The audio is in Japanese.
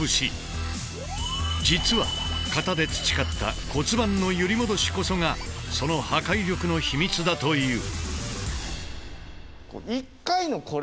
実は型で培った骨盤の「揺り戻し」こそがその破壊力の秘密だという。